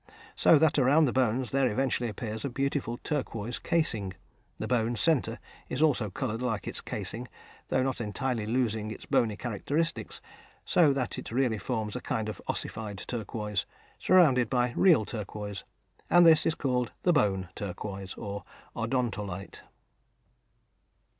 So that around the bones there eventually appears a beautiful turquoise casing; the bone centre is also coloured like its casing, though not entirely losing its bony characteristics, so that it really forms a kind of ossified turquoise, surrounded by real turquoise, and this is called the "bone turquoise" or "odontolite."